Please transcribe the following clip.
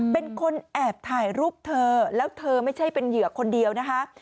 เป็นคนแอบถ่ายรูปเธอแล้วเธอไม่ใช่เป็นเหยื่อคนเดียวนะคะ